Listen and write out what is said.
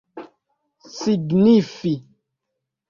signifi